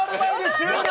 終了！